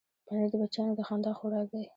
پنېر د بچیانو د خندا خوراک دی.